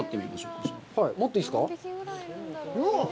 持っていいんですか？